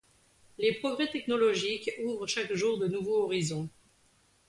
Les progrès technologiques ouvrent chaque jour de nouveaux horizons.